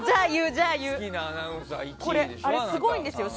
すごいんですよ。